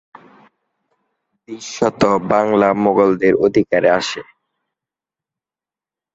দৃশ্যত বাংলা মুগলদের অধিকারে আসে।